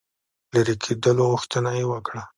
لیري کېدلو غوښتنه یې وکړه.